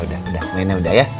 udah ya mainin udah ya